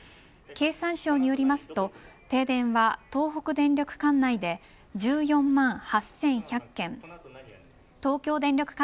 経産省によると停電は東北電力管内で１４万８１００軒東京電力